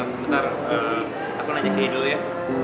sebentar aku nanya kay dulu ya